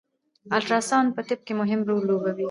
الټراساونډ په طب کی مهم رول لوبوي